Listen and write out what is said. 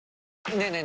ねえねえ